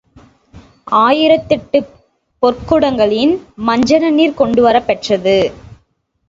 ஆயிரத்தெட்டுப் பொற்குடங்களின் மஞ்சன நீர் கொண்டுவரப் பெற்றது.